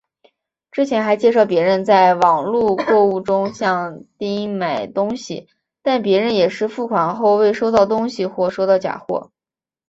之前还介绍别人在网路购物中向丁买东西但别人也是付款后未收到东西或收到假货。